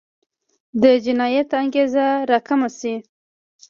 د جنایت انګېزه راکمه شي.